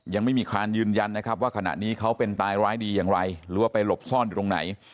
ยังไม่มีครานยืนยันนะครับว่าขณะนี้เขาเป็นตายร้ายดีอย่างไรหรือว่าไปหลบซ่อนอยู่ตรงไหน